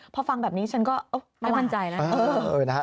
พอฟังแบบนี้ฉันก็ไม่มั่นใจแล้ว